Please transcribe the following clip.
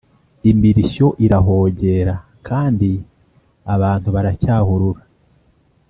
imirishyo irahogera kandi abantu baracyahurura